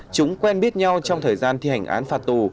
chúng quen biết nhau trong thời gian thi hành án phạt tù